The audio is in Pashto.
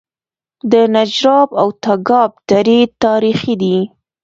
د نجراب او تګاب درې تاریخي دي